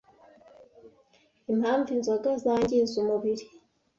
Impamvu inzoga zangiza umubiri